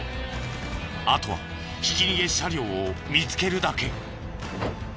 あとはひき逃げ車両を見つけるだけ。